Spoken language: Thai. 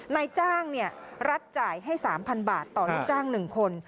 นายจ้างรัฐจ่ายให้๓๐๐บาทต่อลูกจ้าง๑คน